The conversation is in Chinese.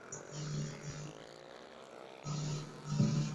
请问一下有不错的 ㄟＰＰ 吗